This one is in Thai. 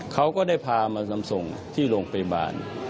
เขาก็ได้พามานำส่งที่โรงพยาบาล